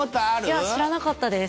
いや、知らなかったです。